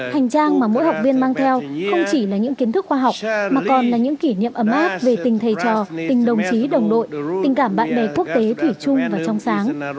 hành trang mà mỗi học viên mang theo không chỉ là những kiến thức khoa học mà còn là những kỷ niệm ấm áp về tình thầy trò tình đồng chí đồng đội tình cảm bạn bè quốc tế thủy chung và trong sáng